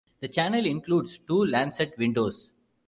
The chancel includes two lancet windows.